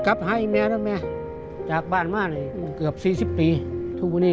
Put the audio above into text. กับประยะวันช่วงที่แม่ยังมีชีวิตอยู่นี่